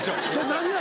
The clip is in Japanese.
何が？